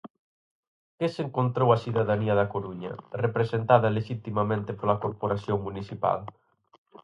¿Que se encontrou a cidadanía da Coruña, representada lexitimamente pola Corporación municipal?